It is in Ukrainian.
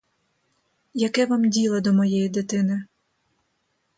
Яке вам діло до моєї дитини?